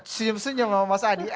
senyum senyum sama mas adi